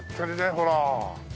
ほら。